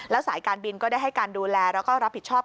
สายการบินก็ได้ให้การดูแลแล้วก็รับผิดชอบ